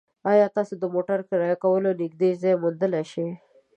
ایا تاسو د موټر کرایه کولو نږدې ځای موندلی شئ؟